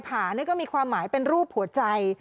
ผานี่ก็มีความหมายเป็นรูปหัวใจ